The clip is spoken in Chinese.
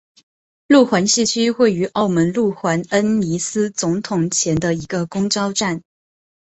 路环市区位于澳门路环恩尼斯总统前地的一个公车站。